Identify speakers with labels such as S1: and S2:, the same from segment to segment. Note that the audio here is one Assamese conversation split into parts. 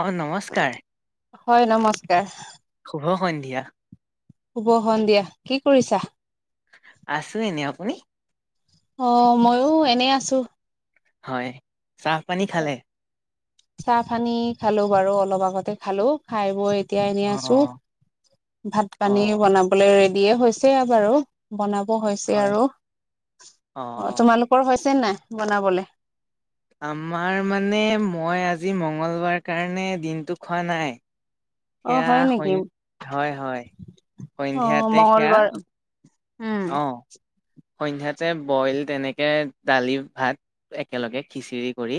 S1: অহ, নমস্কাৰ।
S2: হয়, নমস্কাৰ।
S1: শুভ সন্ধিয়া।
S2: শুভ সন্ধিয়া কি কৰিছা?
S1: আছো এনে আপুনি?
S2: অহ, মইয়ো এনেই আছো।
S1: হয়, চাহ পানী খালে?
S2: চাহ পানী খালো বাৰু অলপ আগতে খালো খাই বৈ এতিয়া এনে
S1: অ
S2: আছো ভাত
S1: অ
S2: -পানী বনাবলৈ ৰেডিয়ে হৈছে বাৰু বনাব হৈছে
S1: হয়
S2: আৰু
S1: অ
S2: অহ
S1: অ
S2: তোমালোকৰ হৈছে নাই বনাবলে?
S1: আমাৰ মানে মই আজি মঙ্গলবাৰ কাৰণে দিনটো খোৱা নাই।
S2: অ হয়
S1: সেয়া
S2: নেকি
S1: সৈন হয়- হয়
S2: অ
S1: সন্ধিয়াতে সেয়া
S2: মংগলবাৰ উম
S1: অ', সন্ধিয়াতে বইল তেনেকে দালি ভাত একেলগে খিচিৰি কৰি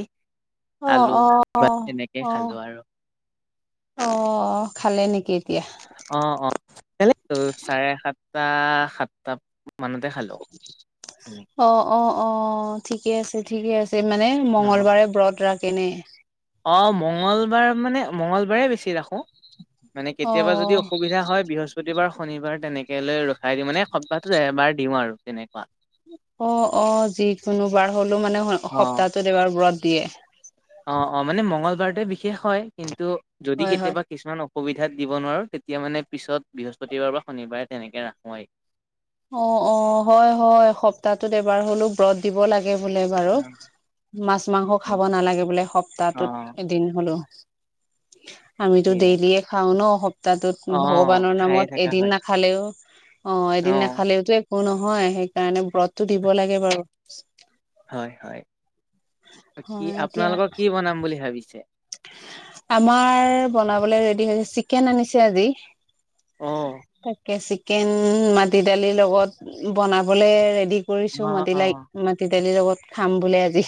S1: আলু
S2: অহ - অহ -
S1: বা এনেকে
S2: অহ
S1: খালো আৰু
S2: অহ - অহ খালে নেকি এতিয়া?
S1: অহ -অহ [unintelligible] চাৰে সাতটা সাতটা মানতে খালো।
S2: অহ, ঠিকে আছে -ঠিকে আছে মানে মঙ্গলবাৰে ব্ৰত ৰাখেনে
S1: অহ, মঙলবাৰ মানে মঙ্গলবাৰে বেছি ৰাখো। মানে কেতিয়াবা যদি
S2: অ
S1: অসুবিধা হয় বৃহস্পতিবাৰ শনিবাৰ তেনেকে লৈ ৰখি খাই দিওঁ মানে সপ্তাটোৰ এবাৰ দিওঁ আৰু তেনেকে
S2: অহ -অহ যিকোনোবাৰ হ'লেও মানে সপ্তাহটোত এবাৰ ব্ৰত দিয়ে।
S1: অহ - অহ মানে মংগলবাৰটোৱে বিশেষ হয় কিন্তু, যদি
S2: হয় হয়।
S1: কেতিয়াবা কিছুমান অ সুবিধাত দিব নোৱাৰোঁ তেতিয়া মানে পিছত বৃহস্পতিবাৰ বা শনিবাৰে তেনেকৈ ৰাখোয়েই
S2: অহ - অহ, হয় -হয় সপ্তাহটোত এবাৰ হলেও ব্ৰত দিব লাগে। এ বোলে বাৰু
S1: অ',
S2: মাছ, মাংস খাব নালাগে বোলে
S1: অ',
S2: সপ্তাহটোত এদিন হলো। আমিতো
S1: সেয়ে।
S2: ডেইলিয়ে খাওঁ ন'সপ্তাহটোত
S1: অ',
S2: ভগৱানৰ
S1: খায়ে
S2: নামত
S1: থাকা হয়।
S2: এদিন নাখালেও অহ, এদিন
S1: অ',
S2: টো একো নহয় সেইকাৰণে ব্ৰততো দিব লাগে বাৰু।
S1: হয়- হয় কি
S2: হয় এতিয়া
S1: আপোনালোকক কি বনাম বুলি ভাবিছে?
S2: আমাৰ বনাবলৈ ৰেডি হৈছে চিকেন আনিছে আজি।
S1: অ'।
S2: তাকে চিকেন মাটি দালিৰ লগত বনাবলে ৰেডি কৰিছো
S1: অ',
S2: মাটি
S1: অ'।
S2: লাইক মাটি দালিৰ লগত খাম বোলি আজি।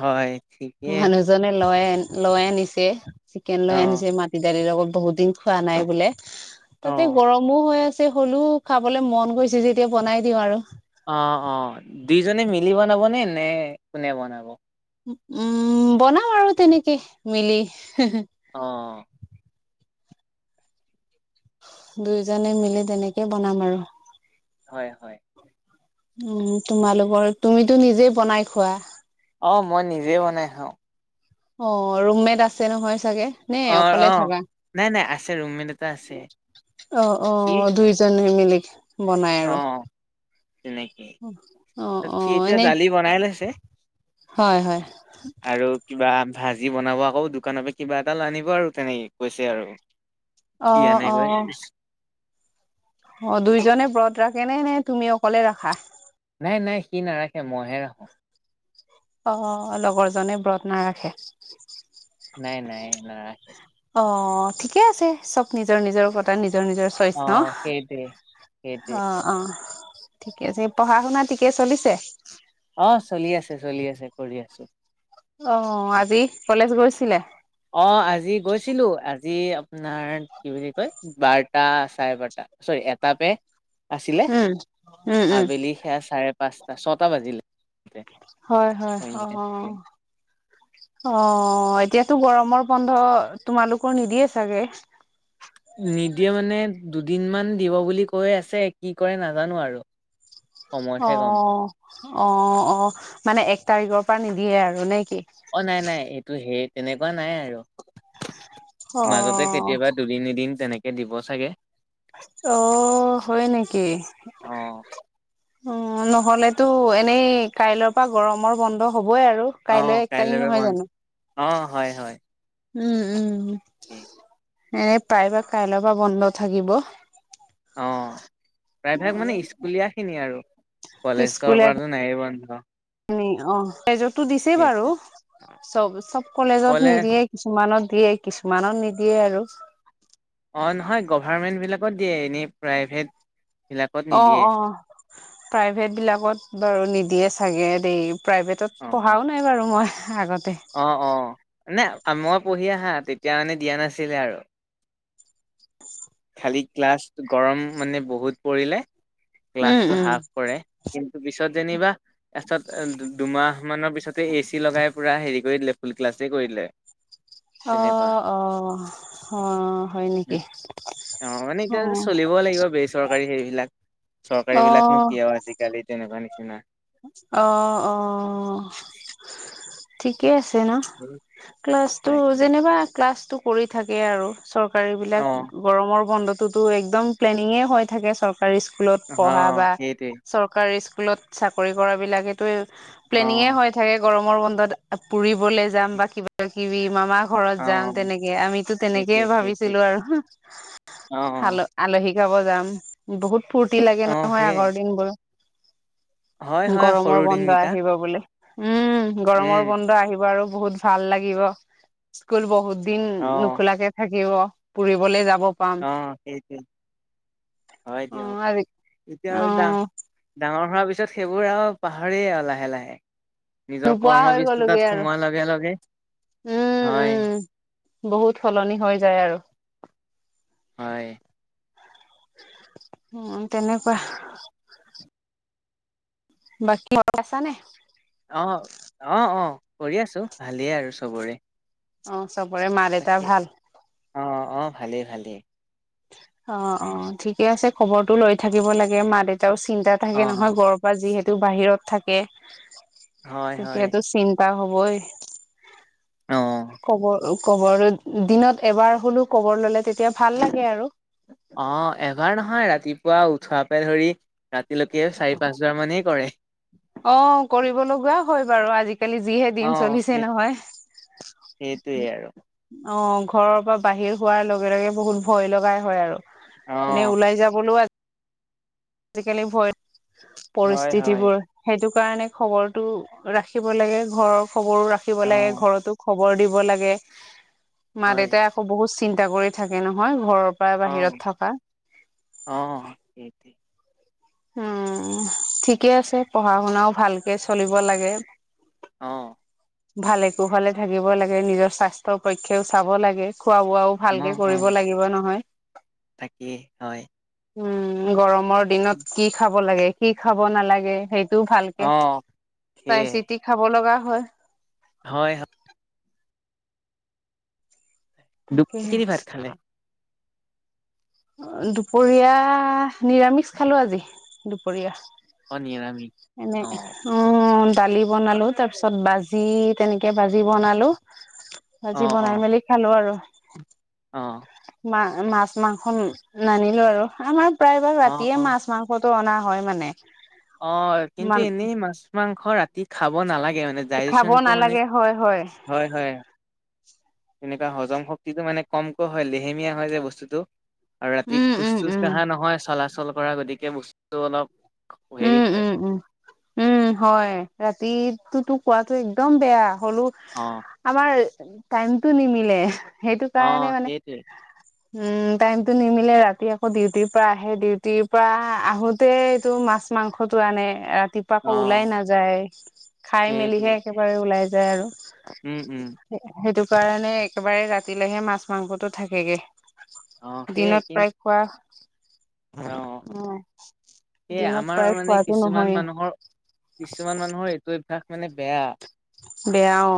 S1: হয়, ঠিকেই
S2: মানুহজনে লয়ে। লৈ আনিছে চিকেন লৈ
S1: অ',
S2: আনিছে মাটি দালিৰ লগত বহুত দিন খোৱা নাই বোলে। তাতে
S1: অ'।
S2: গৰমো হৈ আছে হ'লেও খাবলে মন গৈছে যেতিয়া বনাই দিওঁ আৰু
S1: অহ - অহ দুইজনে মিলি বনাব নে- নে কোনে বনাব?
S2: উম, বনাও আৰু তেনেকে মিলি
S1: অহ
S2: দুইজনে মিলি তেনেকে বনাম আৰু
S1: হয় হয়
S2: উম তোমালোকৰ তুমিতো নিজেই বনাই খোৱা
S1: অ মই নিজে বনাই খাওঁ
S2: অ ৰুমমেট আছে নহয় চাগে নে
S1: অ',
S2: অকলে
S1: অ'।
S2: থাকা
S1: নাই, নাই আছে ৰুমমেট এটা আছে।
S2: অহ
S1: সি
S2: অহ দুইজনে মিলি বনাই আৰু
S1: অ', তেনেকে
S2: অ
S1: তত
S2: অ
S1: সি এতিয়া
S2: এনেই
S1: দালি বনাই লৈছে
S2: হয় হয়
S1: আৰু কিবা ভাজি বনাব আকৌ দোকানৰ পৰা কিবা এটা আনিব আৰু তেনেকে কৈছে আৰু কি
S2: অহ
S1: আনে গৈ।
S2: অহ অ দুইজনে ব্ৰত ৰাখে নে নে তুমি অকলে ৰাখা
S1: নাই নাই সি নাৰাখে মইহে ৰাখো
S2: অহ লগৰজনে ব্ৰত নাৰাখে।
S1: নাই নাই নাৰাখে।
S2: অ ঠিকে আছে চব নিজৰ নিজৰ ওপতাৰ নিজ। নিজৰ নিজৰ চইচ ন
S1: অ', সেইটোৱে। সেইটোৱে।
S2: অহ অহ। ঠিকে আছে পঢ়া শুনা ঠিকে চলিছে।
S1: অ চলি আছে চলি আছে কৰি আছো।
S2: অ আজি কলেজ গৈছিলে।
S1: অহ আজি গৈছিলো আজি আপোনাৰ কি বুলি কয় বাৰটা চাৰে বাৰটা। চৰি এটা পে আছিলে
S2: উম উম উম
S1: আবেলি সেয়া চাৰে পাঁচ। ছটা বাজিলে।
S2: হয় হয় অহ।
S1: সন্ধিয়া
S2: অহ এতিয়াতো গৰমৰ বন্ধ তোমালোকৰ নিদিয়ে চাগে।
S1: নিদিয়ে মানে দুদিন মান দিব বুলি কৈ আছে কি কৰে নাজানো আৰু। সময়তহে গম পাম
S2: অহ অহ অহ মানে এক তাৰিখৰ পৰা নিদিয়ে আৰু নে। কি
S1: অ নাই নাই এইটো সেই তেনেকুৱা নাই আৰু।
S2: অ
S1: মাজতে কেতিয়াবা দুদিন এদিন তেনেকে দিব চাগে।
S2: অহ হয় নেকি।
S1: অ
S2: উম নহলেতো এনেই কাইলৰ পৰা গৰমৰ বন্ধ হ'ব। হ'বই আৰু
S1: অ
S2: কাইলৈ এক তাৰিখ
S1: কাইলৈৰ
S2: নহয়
S1: বন্ধ
S2: জানো
S1: অ
S2: উম উম।
S1: তাকে
S2: এনে প্ৰায়ভাগ কাইলৰ পৰা বন্ধ থাকিব।
S1: অ প্ৰায়ভাগ মানে স্কুলীয়া খিনি আৰু। কলেজৰ
S2: স্কুলে
S1: পৰাতো নাই বন্ধ।
S2: অ কলেজতো দিছেই
S1: সেইটো
S2: বাৰু চব চব। কলেজত
S1: কলেজ
S2: নিদিয়ে কিছুমানত দিয়ে কিছুমানত নিদিয়ে আৰু।
S1: অঁ নহয় গভাৰ্মেণ্টবিলাকত দিয়ে এনেই প্ৰাইভেটবিলাকত
S2: অ
S1: নিদিয়ে।
S2: অ প্ৰাইভেট বিলাকত বাৰু নিদিয়ে চাগে দেই প্ৰাইভেটত পঢ়াও নাই বাৰু মই। আগতে
S1: অহ অহ নে মই পঢ়ি আহা তেতিয়া মানে দিয়া নাছিলে আৰু। খালি ক্লাছ গৰম মানে বহুত পৰিলে।
S2: উম
S1: গ্লাছটো
S2: উম
S1: হাফ কৰে কিন্তু পিছত যেনিবা। তাৰপিছত দুমাহ মানৰ পিছতে এ চি লগাই পুৰা হেৰি কৰি দিলে ফুল ক্লাছে কৰিলে।
S2: অহ অহ অহ হয় নেকি।
S1: অ মানে
S2: অ
S1: এতিয়া চলিবও লাগিব বেচৰকাৰী সেইবিলাক
S2: অ
S1: চৰকাৰী বিলাকনো কিয় আৰু আজিকালি। তেনেকুৱা নিচিনা।
S2: অহ অহ ঠিকে আছে।
S1: তাকে
S2: টেন ক্লাছতো কৰি থাকে আৰু। চৰ
S1: অ
S2: বিলাক গৰমৰ বন্ধতোতো একদম প্লেনিঙে হৈ থাকে। চৰকাৰী স্কুলত
S1: অ
S2: পঢ়া বা
S1: সেইটোৱে
S2: চৰকাৰী স্কুলত চাকৰি কৰা বিলাকেতো। প্লেনিঙে হৈ
S1: অ
S2: থাকে গৰমৰ বন্ধত পুৰিবলৈ যাম বা কিবা কিবি মামা। ঘৰত
S1: অ
S2: যাম তেনেকে আমিতো
S1: সেইটোৱে
S2: তেনেকেই
S1: সেইটোৱে
S2: ভাবিছিলো আৰু
S1: অ
S2: আ আলহী। শিকাব যাম। বহুত ফূুৰ্তি
S1: অ
S2: লাগে নহয়
S1: সেই
S2: আগৰ দিন বোৰ।
S1: হয় হয় সৰু
S2: গৰমৰ বন্ধ
S1: দিনকেইটা
S2: আহিব বুলি। উম গৰমৰ
S1: উম
S2: বন্ধ আহিব আৰু বহুত ভাল লাগিব স্কুল বহুত। দিন
S1: অ
S2: নোখোলাকে থাকিব ফুৰিবলৈ যাব। পাম
S1: অ' সেইটোৱেই। হয়
S2: অ
S1: দিয়ক।
S2: আজি
S1: এতিয়া
S2: অ
S1: আৰু ডা ডাঙৰ। পিছত সেইবোৰ আৰু পাহৰি আৰু লাহে লাহে। নিজৰ
S2: নোপোৱা হৈ গ'লোগে
S1: কৰ্মবস্ততাত
S2: আৰু
S1: সোমোৱাৰ লগে লগে
S2: উম
S1: হয়।
S2: উম বহুত সলনি হৈ যায় আৰু।
S1: হয়।
S2: উম, তেনেকুৱা। বাকী ঘৰত আছা নে?
S1: অ', অ', অ', কৰি আছো ভালেই আৰু চবৰে।
S2: অ', চবৰে মা
S1: তাকে
S2: দেউতাৰ ভাল।
S1: অ', অ', ভালেই, ভালেই।
S2: অ', অ' ঠিকে আছে খবৰটো লৈ থাকিব লাগে মা- দেউতা। এয়াও চিন্তা
S1: অ
S2: থাকে নহয়। ঘৰৰ পৰা যিহেতু বাহিৰত থাকে।
S1: হয় হয়
S2: তেতিয়াতো চি আৰু হবই।
S1: অ
S2: কব কবৰ দিনত এবাৰ হলেও কবৰ ল'লে তেতিয়া ভাল লাগে আৰু।
S1: অ', এবাৰ নহয় ৰাতিপুৱা উঠোৱাপে ধৰি ৰাতিলৈকে চাৰি পাঁচ বাৰ মানেই কৰে।
S2: অ', কৰিব লগা হয় বাৰু আজিকালি যিহে
S1: অ
S2: দিন
S1: সেই
S2: চলিছে নহয়।
S1: সেইটোৱে আৰু।
S2: অ', ঘৰৰ পৰা বাহিৰ হোৱাৰ লগে লগে বহুত ভয় লগাই হয় আৰু।
S1: অ',
S2: এনেই ওলাই যাবলৈও আছে। আজিকালি ভয়
S1: হয়, হয়,
S2: পৰিস্থিতিবোৰ সেইটো কাৰণে খবৰৰতটো ৰাখিব লাগে ঘৰৰ খবৰো ৰাখিব লাগে
S1: অ',
S2: ঘৰতো খব খবৰ দিব লাগে।
S1: হয়,
S2: মা-দেউতাই আকৌ বহুত চিন্তা কৰি থাকে নহয় ঘৰৰ।
S1: অ',
S2: বাহিৰত থকা।
S1: অ', সেইটোৱে
S2: উম, ঠিকে আছে। পঢ়া শুনাও ভালকে চলিব লাগে।
S1: আহ।
S2: ভালে-কুশলে থাকিব লাগে। নিজৰ স্বাস্থ্যৰ পক্ষেও চাব লাগে। খোৱা-বোৱাও
S1: অ',
S2: ভালকে
S1: অ',
S2: কৰিব লাগিব নহয়।
S1: তাকেই হয়।
S2: উম, গৰমত কি খাব লাগে কি খাব নালাগে সেই ভালকে
S1: অ',
S2: চাই
S1: সেয়াই
S2: চিতি খাব লগা হয়।
S1: হয়, হয়, দুব
S2: তাকেহে
S1: খিন ভাত খালে।
S2: দুপৰীয়া নিৰামিষ খালো আজি
S1: অ', নিৰামিষ
S2: দুপৰীয়া। এনে
S1: অ',
S2: উম। দালি বনালো তাৰ পিছত ভাজি তেনেকে ভাজি বনালো। আজি
S1: অ',
S2: বনাই
S1: অ',
S2: মেলি খালো আৰু।
S1: অ',
S2: মাছ- মাংস নানিলো আৰু আমাৰ প্ৰায়ভাগ
S1: অ',
S2: ৰাতিয়ে
S1: অ',
S2: মাছ-মাংস টো অনা হয় মানে।
S1: অ', কিন্তু
S2: মান
S1: এনেই মাছ-মাংস ৰাতি খাব নালাগে। মানে
S2: খাব
S1: ডাইজেনটো মানে
S2: নালাগে হয়
S1: হয়, হয়। এনেকুৱা হজম শক্তিটো মানে কমকৈ হয় লেহেমীয়া হয় যে বস্তুটো আৰু ৰাতি
S2: উম, উম,
S1: খোজ-চোজ
S2: উম,
S1: কঢ়া নহয় চলাচল কৰা গতিকে বস্তু অলপ। হেৰি
S2: উম,
S1: হয়
S2: উম, উম, উম, হয় ৰাতিতো কোৱাতো একদম বেয়া। হলো
S1: অ',
S2: আমাৰ টাইমটো নিমিলে। সেইটো কাৰণে
S1: অ',
S2: মানে
S1: সেইটোৱে
S2: উম, টাইমটো নিমিলে ৰাতি আকৌ ডিউটিৰ পৰা আহে ডিউটিৰ পৰা আহোতে এইটো মাছ মাংসতো আনে। ৰাতিপুৱা আকৌ
S1: অ',
S2: ওলাই নাযায়, খাই
S1: সেইটোৱে
S2: মেলিহে একেবাৰে ওলাই যায়। যায় আৰু
S1: উম, উম,
S2: সেইটো। সেই কাৰণে একেবাৰে ৰাতিলেহে মাছ-মাংসটো থাকেগে।
S1: অ', সেয়াই
S2: দিনত
S1: কিন
S2: প্ৰায় খোৱা
S1: অ',
S2: উম,
S1: সেয়াই
S2: দিনত।
S1: আমাৰ
S2: প্ৰায়
S1: মানে
S2: খোৱাটো
S1: কিছুমান
S2: নহয়ে
S1: মানুহৰ কিছুমান মানুহৰ এইটো অভ্যাস মানে বেয়া।
S2: বেয়া অ।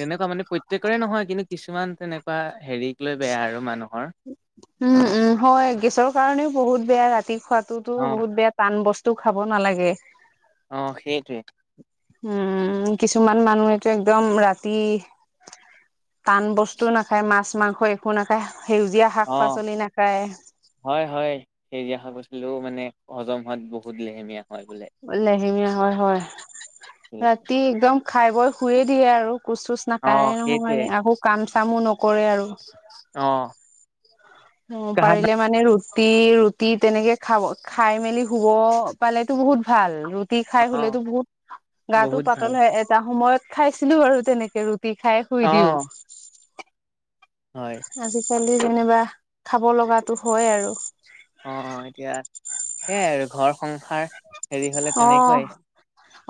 S1: তেনেকুৱা মানে প্ৰত্যেকৰে নহয়। কিন্তু, কিছুমান তেনেকুৱা হেৰি লৈ বেয়া আৰু মানুহৰ।
S2: উম উম হয় গেছৰ কাৰণেও বহুত বেয়া ৰাতি খোৱাতটোতো
S1: অ',
S2: বহুত বেয়া টান বস্তু। টো খাব নালাগে।
S1: অ সেইটোৱে।
S2: উম কিছুমান মানুহেটো একদম ৰাতি টান বস্তু নাখায়, মাছ মাংস একো নাখায়। সেউজীয়া শাক
S1: অ',
S2: পাচলি নাখায়।
S1: এই ফালেও হজম হোৱা বহুত লেহেমীয়া। হয় বোলে।
S2: লেহেমীয়া হয় হয়। ৰাতি একদম খাই বৈ শুঈৱে দিয়ে আৰু। কোচ চোচ নাখায়ে
S1: অ', সেইটোৱে
S2: নহয়, আকৌ কাম চামো নকৰে আৰু। [unintelligible]
S1: অ।
S2: অ
S1: কাহ
S2: পাৰিলে মানে ৰুটি ৰুটি ৰুটি তেনেকে খাব খাই মেলি শুব পালেতো বহুত ভাল। ৰু ৰুটি খাই
S1: অ',
S2: শুলেতো বহুত গা
S1: বহুত ভাল
S2: পাতল হয়, এটা সময়ত খাইছিলো আৰু তেনেকে ৰুটি [unintelligible] ৰুতি খাই শুই দিওঁ।
S1: অ', হয়।
S2: আজিকালি যেনিবা খাব লগা হয় আৰু।
S1: অ এতিয়া সেইয়াই আৰু ঘৰ সংসাৰ হেৰি হলে
S2: অ
S1: তেনেকুৱাই।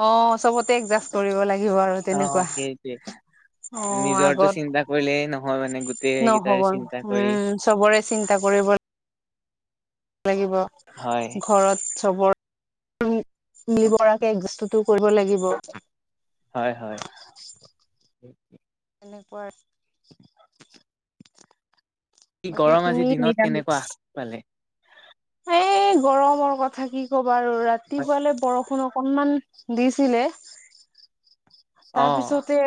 S2: অ চবতে এডজাষ্ট কৰিব লাগিব আৰু
S1: অ
S2: তেনেকুৱা।
S1: সেইটোৱে
S2: অ
S1: নিজৰটো চিন্তা কৰিলে নহয় মানে
S2: আগত
S1: গোটেই
S2: নহব
S1: কেইটাৰে চিন্তা কৰি
S2: উম চবৰে চিন্তা কৰ, কৰিব লাগিব
S1: হয়
S2: ঘৰত। চবৰ মিবৰাকে [unintelligible] বস্তুতটো কৰিব লাগিব।
S1: হয় হয়।
S2: ওপৰ
S1: কি গৰম আজিৰ দিনত কেনেকুৱা পালে?
S2: এ গৰমৰ কথা কি কবা আৰু
S1: হয়,
S2: ৰাতিপুৱালে বৰষুণৰ, অকনমান দিছিলে।
S1: অ
S2: তাৰপিছতে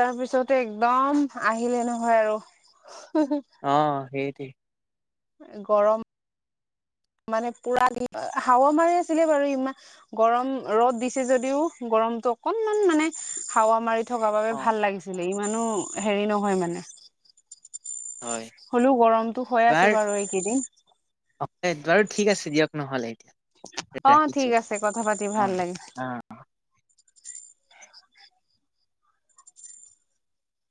S2: তাৰ পিছতে একদম আহিলে নহয় আৰু।
S1: অ সেইটোৱে।
S2: গৰম, মানে পোৰা হাৱা মাৰি আছিলে বাৰু ইমান গৰম ৰ'দ দিছে যদিও গৰম, অকনমান মানে হাৱা মাৰি থকাৰ বাবে
S1: অ
S2: ভাল লাগিছিলে ইমানো হেৰি নহয় মানে।
S1: হয়
S2: হ'লেও গৰমটো হৈ আছে বাৰু এইকেইদিন।
S1: এই বাৰু ঠিক আছে দিয়ক নহ'লে। এতিয়া
S2: অ
S1: ৰাখিছো
S2: ঠিক আছে কথা পাতি
S1: অ
S2: ভাল লাগিল
S1: অ